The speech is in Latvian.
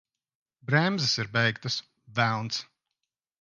Bremzes ir beigtas! Velns!